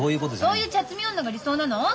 そういう茶摘み女が理想なの！？